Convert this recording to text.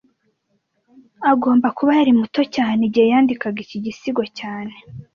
Agomba kuba yari muto cyane igihe yandikaga iki gisigo cyane